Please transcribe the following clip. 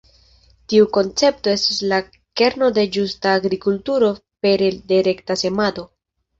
Tiu koncepto estas la kerno de ĝusta agrikulturo pere de rekta semado.